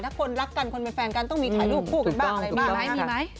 ถ้าคนรักกันคนเป็นแฟนกันต้องมีถ่ายรูปคู่กันบ้างอะไรบ้างไหมมีไหม